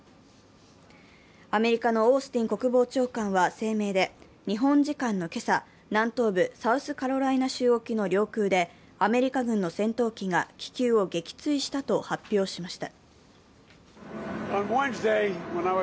アメリカのオースティン国防長官は声明で日本時間の今朝、南東部サウスカロライナ州沖の領空でアメリカ軍の戦闘機が気球を撃墜したと発表しました。